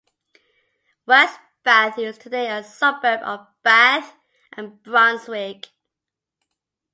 West Bath is today a suburb of Bath and Brunswick.